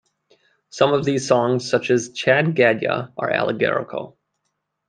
Some of these songs, such as "Chad Gadya" are allegorical.